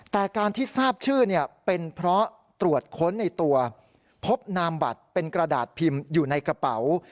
แต่การที่ทราบชื่อเป็นเพราะตรวจค้นในตัวพบนามบัตรเป็นกระดาษพิมพ์อยู่ในกระเป๋า